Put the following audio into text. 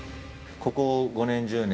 ここ５年１０年